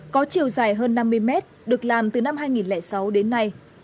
có chiều dài hơn năm mươi mét được làm từ năm hai nghìn sáu đến nay